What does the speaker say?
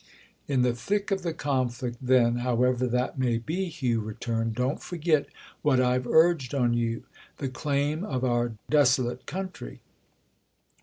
"In the thick of the conflict then, however that may be," Hugh returned, "don't forget what I've urged on you—the claim of our desolate country."